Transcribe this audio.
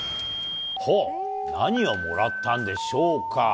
ほう、何をもらったんでしょうか。